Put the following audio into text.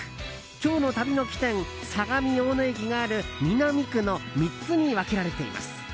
今日の旅の起点相模大野駅がある南区の３つに分けられています。